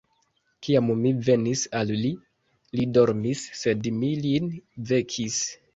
Kiam mi venis al li, li dormis; sed mi lin vekis.